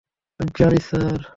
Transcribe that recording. ওহ্, জানি স্যার।